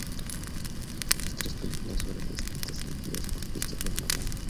Las tres películas fueron escritas y dirigidas por Christopher Nolan.